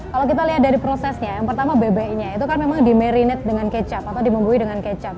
kalau kita lihat dari prosesnya yang pertama bebeknya itu kan memang di merinate dengan kecap atau dibumbui dengan kecap